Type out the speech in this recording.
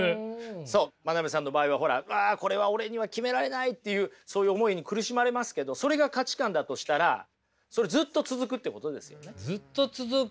そう真鍋さんの場合はほら「うわこれは俺には決められない」っていうそういう思いに苦しまれますけどそれが価値観だとしたらそれずっと続くってことですよね。